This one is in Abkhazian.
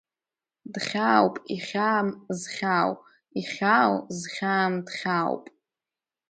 Дхьаауп ихьаам зхьаау, ихьаау зхьаам дхьаауп.